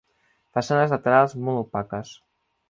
Façanes laterals molt opaques.